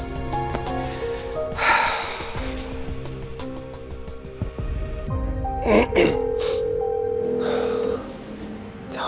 tapi aku akan bagi